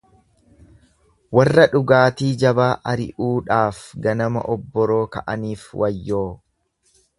Warra dhugaatii jabaa ari'uudhaaf ganama obboroon ka'aniif wayyoo!